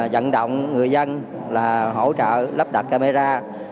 dẫn động người dân là hỗ trợ lắp đặt camera